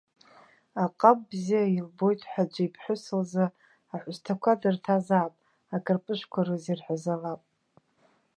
Аҟаб бзиа илбоит ҳәа аӡәы иԥҳәыс лзы аҳәысҭақәа дырҭазаап, акарпыжәқәа рызирҳәазалап.